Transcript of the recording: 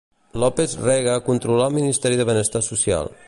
López Rega controlà el Ministeri de benestar Social.